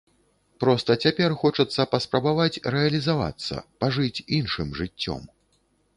Проста цяпер хочацца паспрабаваць рэалізавацца, пажыць іншым жыццём.